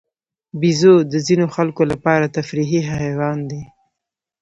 بیزو د ځینو خلکو لپاره تفریحي حیوان دی.